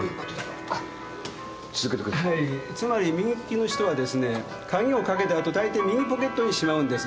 つまり右利きの人はですね鍵を掛けた後大抵右ポケットにしまうんです。